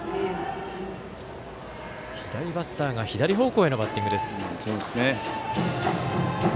左バッターが左方向へのバッティングです。